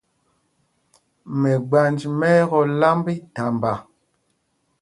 Mɛgbanj ɓɛ́ ɛ́ tɔ̄ lámb íthamba.